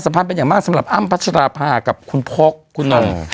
พันธ์เป็นอย่างมากสำหรับอ้ำพัชราภากับคุณพกคุณหนุ่ม